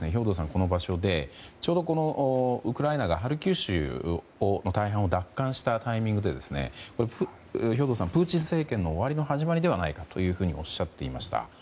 この場所でウクライナがハルキウ州の大半を奪還したタイミングで兵頭さんはプーチン政権の終わりの始まりではないかとおっしゃっていました。